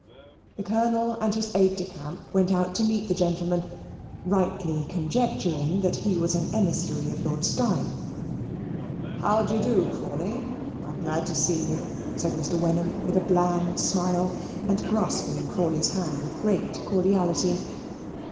The Colonel and his aide de camp went out to meet the gentleman, rightly conjecturing that he was an emissary of Lord Steyne. "How d'ye do, Crawley? I am glad to see you," said Mr. Wenham with a bland smile, and grasping Crawley's hand with great cordiality.